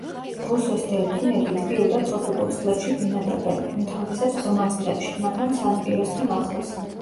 რუსოს დელფინები თბილ და ტროპიკულ წყლებში ბინადრობენ, უმთავრესად ღრმა წყლებში, მაგრამ სანაპიროსთან ახლოს.